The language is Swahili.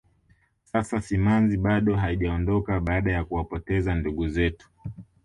sasa simanzi bado haijaondoka baada ya kuwapoteza ndugu zetu